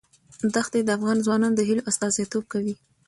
دښتې د افغان ځوانانو د هیلو استازیتوب کوي.